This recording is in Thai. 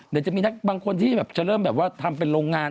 เดี๋ยวจะมีนักบางคนที่แบบจะเริ่มแบบว่าทำเป็นโรงงาน